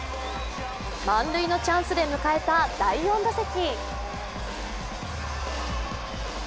満塁のチャンスで迎えた第４打席。